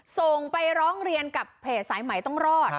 ส่งไปร้องเรียนกับเพจสายใหม่ต้องรอด